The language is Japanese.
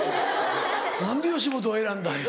何で吉本を選んだんや？